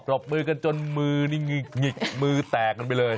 รบมือกันจนมือนี่หงิกมือแตกกันไปเลย